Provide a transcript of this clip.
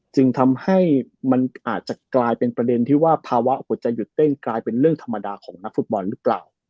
จึงทำให้มันอาจจะกลายเป็นประเด็นที่ว่าภาวะหัวใจหยุดเต้นกลายเป็นเรื่องธรรมดาของนักฟุตบอลหรือเปล่า